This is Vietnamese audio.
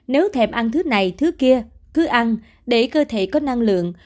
nếu thèm ăn thứ này thứ kia cứ ăn để cơ thể có năng lượng